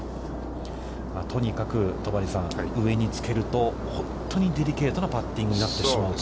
とにかく、戸張さん、上につけると本当にデリケートなパッティングになってしまうと。